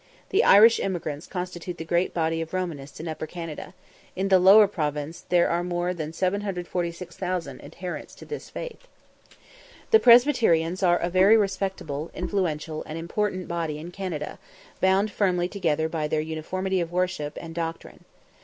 The Irish emigrants constitute the great body of Romanists in Upper Canada; in the Lower Province there are more than 746,000 adherents to this faith. The Presbyterians are a very respectable, influential, and important body in Canada, bound firmly together by their uniformity of worship and doctrine.